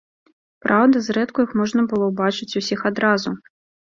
Праўда, зрэдку іх можна было ўбачыць усіх адразу.